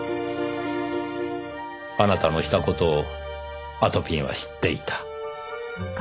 あなたのした事をあとぴんは知っていた。